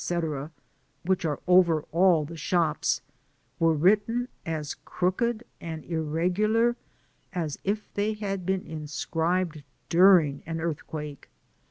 *' which are over all the shops, were written as crooked and irregular as if they had been inscribed during an earthquake.